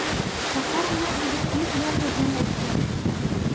Сакарын нерже гыч вӱр йырр йоген лекте.